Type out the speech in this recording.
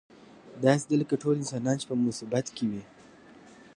داسې ده لکه ټول انسانان چې په مصیبت کې وي.